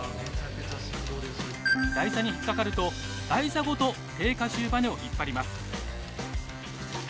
台座に引っ掛かると台座ごと定荷重ばねを引っ張ります。